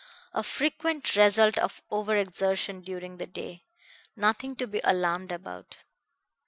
"A frequent result of over exertion during the day. Nothing to be alarmed about."